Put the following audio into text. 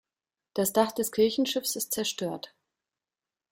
Das Dach des Kirchenschiffs ist zerstört.